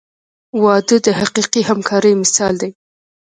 • واده د حقیقي همکارۍ مثال دی.